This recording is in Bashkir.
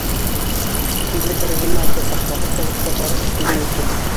Тиҙлек режимы артасаҡ, ваҡыт та бушҡа сарыф ителмәйәсәк.